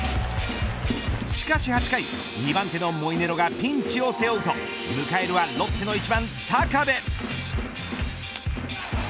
しかし８回２番手のモイネロがピンチを背負うと迎えるはロッテの１番高部。